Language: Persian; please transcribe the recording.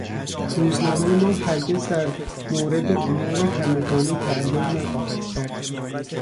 روزنامهی ما هرگز در مورد امور همگانی تعلل نخواهد کرد.